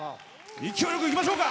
勢いよくいきましょうか！